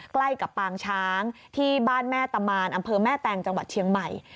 ใกล้กับปางช้างที่บ้านแม่ตะมานอำเภอแม่แตงจังหวัดเชียงใหม่